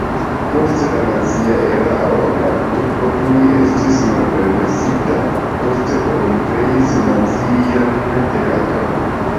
Dum la nazia erao la trupo tuj estis malpermesita, poste oni kreis nazian teatron.